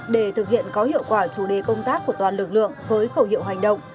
để thực hiện có hiệu quả chủ đề công tác của toàn lực lượng với khẩu hiệu hành động